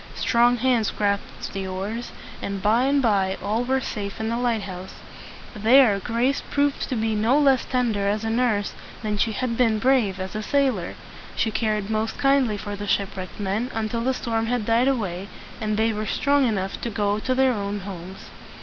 Strong hands grasped the oars, and by and by all were safe in the lighthouse. There Grace proved to be no less tender as a nurse than she had been brave as a sailor. She cared most kindly for the ship wrecked men until the storm had died away and they were strong enough to go to their own homes.